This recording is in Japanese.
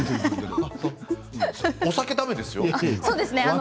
お酒はだめですよ。